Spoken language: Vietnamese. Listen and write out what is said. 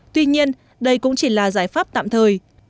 tuy nhiên đây cũng chỉ là giải pháp tạm thời